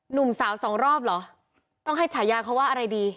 หนุ่มสาวสองรอบเหรอต้องให้ฉายาเขาว่าอะไรดี